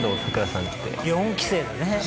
４期生だね。